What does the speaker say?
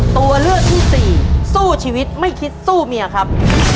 ตัวเลือกที่สี่สู้ชีวิตไม่คิดสู้เมียครับ